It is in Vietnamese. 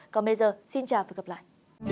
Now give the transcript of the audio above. còn bây giờ xin chào và gặp lại